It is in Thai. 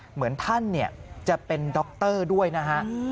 เหมือนท่านจะเป็นด็อกเตอร์ด้วยนะครับ